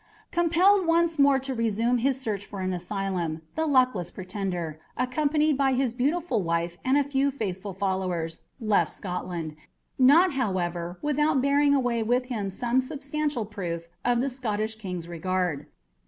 Compelled once more to resume his search for an asylum, the luckless pretender, accompanied by his beautiful wife and a few faithful followers, left Scotland; not, however, without bearing away with him some substantial proof of the Scottish King's regard.